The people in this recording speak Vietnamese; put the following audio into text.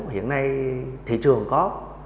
hiện nay thị trường có